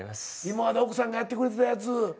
今まで奥さんがやってくれてたやつ。